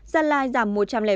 gia lai giảm một trăm linh bảy